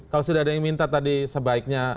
kalau sudah ada yang minta tadi sebaiknya